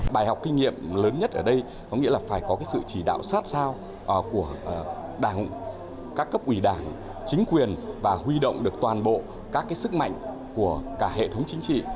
bài học kinh nghiệm lớn nhất ở đây có nghĩa là phải có sự chỉ đạo sát sao của các cấp ủy đảng chính quyền và huy động được toàn bộ các sức mạnh của cả hệ thống chính trị